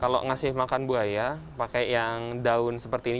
kalau ngasih makan buaya pakai yang daun seperti ini